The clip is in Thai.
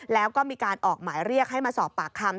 แล้วก็มีการออกหมายเรียกให้มาสอบปากคำ